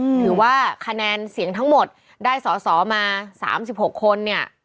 ถือว่าคะแนนเสียงทั้งหมดได้สอสอมา๓๖คนเนี่ย